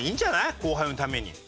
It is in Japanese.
後輩のために」。